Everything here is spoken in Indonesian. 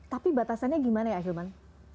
tapi batasannya gimana ya ahilman